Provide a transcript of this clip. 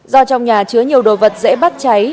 do trong nhà chứa nhiều đồ vật dễ bắt cháy